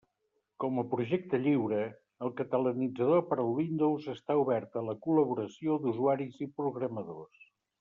Com a projecte lliure, el Catalanitzador per al Windows està obert a la col·laboració d'usuaris i programadors.